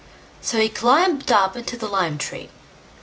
So he climbed up into the lime tree.